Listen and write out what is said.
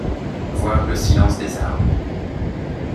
Voir Le Silence des armes.